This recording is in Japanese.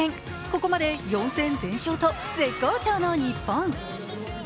ここまで４戦全勝と絶好調の日本。